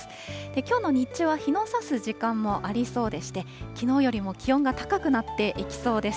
きょうの日中は日の差す時間もありそうでして、きのうよりも気温が高くなっていきそうです。